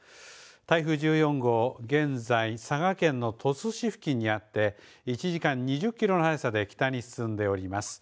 台風１４号、現在、佐賀県の鳥栖市付近にあって１時間に２０キロの速さで北に進んでおります。